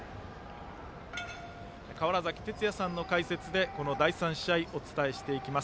川原崎哲也さんの解説でこの第３試合をお伝えします。